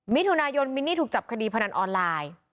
มิถุนายนมินนี่ถูกจับคดีพนันออนไลน์